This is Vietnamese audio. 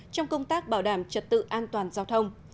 trong công tác bảo đảm trật tự an toàn giao thông